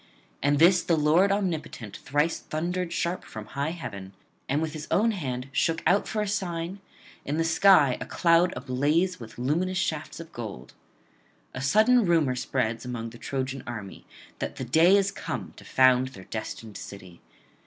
At this the Lord omnipotent thrice thundered sharp from high heaven, and with his own hand shook out for a sign in the sky a cloud ablaze with luminous shafts of gold. A sudden rumour spreads among the Trojan array, that the day is come to found their destined city.